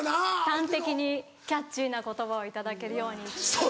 端的にキャッチーな言葉を頂けるようにっていう。